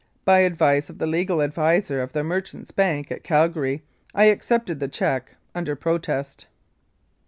By advice of the legal adviser of the Merchants' Bank at Calgary I accepted the cheque "under protest."